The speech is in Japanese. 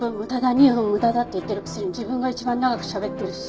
「２分無駄だ」って言ってるくせに自分が一番長くしゃべってるし。